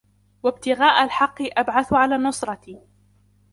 وَابْتِغَاءَ الْحَقِّ أَبْعَثُ عَلَى النُّصْرَةِ